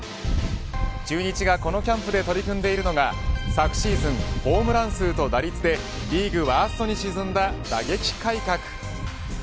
中日がこのキャンプで取り組んでいるのが昨シーズンホームラン数と打率でリーグワーストに沈んだ打撃改革。